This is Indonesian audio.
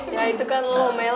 ya itu kan lomel